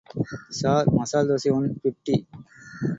Sir... masala dosa one fifty.